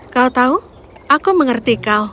kau tahu aku mengerti kau